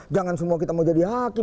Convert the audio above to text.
jangan semua kita mau jadi hakim